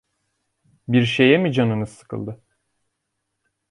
Bir şeye mi canınız sıkıldı?